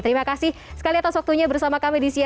terima kasih sekali atas waktunya bersama kami di cnn indonesia